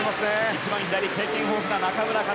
一番左経験豊富な中村克。